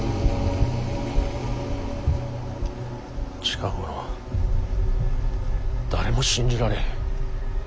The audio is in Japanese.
近頃は誰も信じられん。